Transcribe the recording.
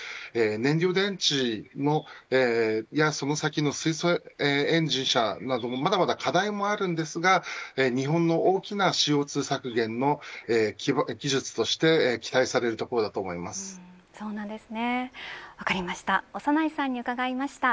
燃料電池もその先の水素エンジン車などもまだまだ課題もありますが日本の大きなＣＯ２削減の技術として期待されるところだと思います。